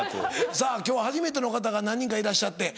さぁ今日は初めての方が何人かいらっしゃって。